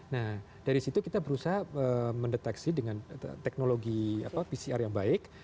nah dari situ kita berusaha mendeteksi dengan teknologi pcr yang baik